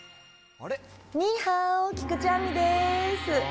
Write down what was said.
ニーハオ、菊地亜美です。